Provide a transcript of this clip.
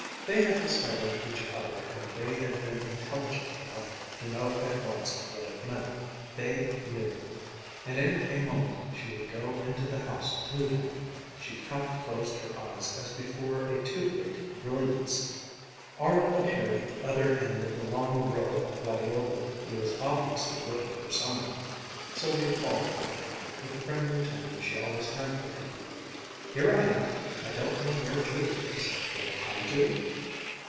They had discovered each other, and they had been intelligent enough to know at once what it meant. They knew! And in a moment she would go into the house to him. She half closed her eyes as before a too great brilliance.... Arnold appeared at the other end of the long row of gladioli. He was obviously looking for some one. Sylvia called to him, with the friendly tone she always had for him: "Here I am! I don't know where Judith is. Will I do?"